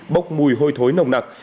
bốc mùi hôi thối nồng nặc